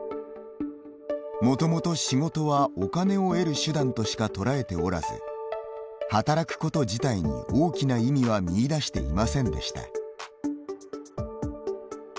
もともと仕事は、お金を得る手段としか捉えておらず働くこと自体に大きな意味は見いだしていませんでした。